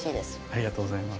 ありがとうございます。